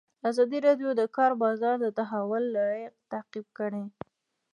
ازادي راډیو د د کار بازار د تحول لړۍ تعقیب کړې.